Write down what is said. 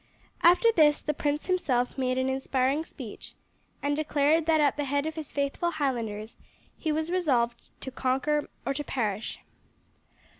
After this the prince himself made an inspiring speech, and declared that at the head of his faithful Highlanders he was resolved to conquer or to perish.